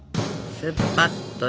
スパッと。